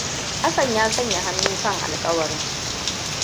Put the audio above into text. Hassan ya sanya hannu kan alƙawarin.